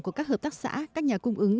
của các hợp tác xã các nhà cung ứng